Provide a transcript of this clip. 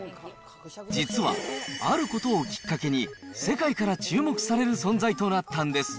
実は、あることをきっかけに世界から注目される存在となったんです。